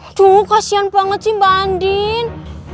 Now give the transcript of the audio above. aduh kasian banget sih mbak andin